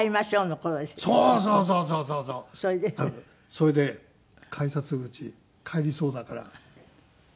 それで改札口帰りそうだから。